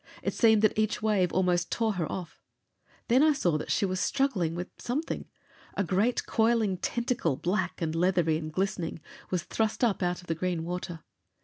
It seemed that each wave almost tore her off. Then I saw that she was struggling with something. A great coiling tentacle, black and leathery and glistening, was thrust up out of the green water.